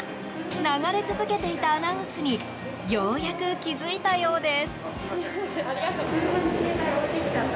流れ続けていたアナウンスにようやく気付いたようです。